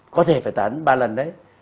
có thể phải tán ba lần đấy